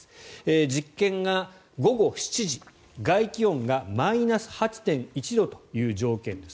実験が午後７時外気温がマイナス８．１度という条件です。